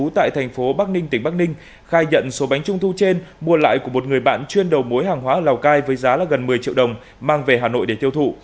tại thành phố bắc ninh tỉnh bắc ninh khai nhận số bánh trung thu trên mua lại của một người bạn chuyên đầu mối hàng hóa ở lào cai với giá gần một mươi triệu đồng mang về hà nội để tiêu thụ